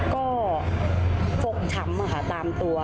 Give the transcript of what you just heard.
ก็ฟกช้ำค่ะตามตัว